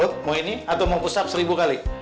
lut mau ini atau mau push up seribu kali